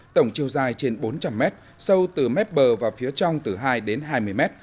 tổng chiều dài trên bốn trăm linh mét sâu từ mét bờ và phía trong từ hai đến hai mươi mét